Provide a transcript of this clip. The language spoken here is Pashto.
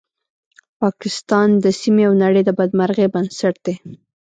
پاکستان د سیمې او نړۍ د بدمرغۍ بنسټ دی